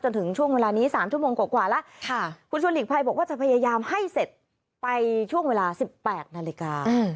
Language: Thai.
ถึงช่วงเวลานี้๓ชั่วโมงกว่าแล้วคุณชวนหลีกภัยบอกว่าจะพยายามให้เสร็จไปช่วงเวลา๑๘นาฬิกา